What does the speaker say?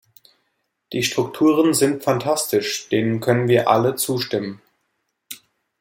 Die Strukturen sind fantastisch, denen können wir alle zustimmen.